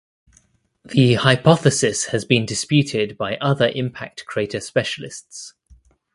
The hypothesis has been disputed by other impact crater specialists.